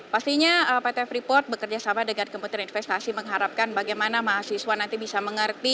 pastinya pt freeport bekerjasama dengan kementerian investasi mengharapkan bagaimana mahasiswa nanti bisa mengerti